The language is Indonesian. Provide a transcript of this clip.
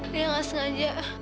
lia gak sengaja